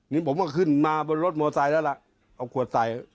นี่ผมก็ขึ้นมาบนรถมอไซค์แล้วล่ะเอาขวดใส่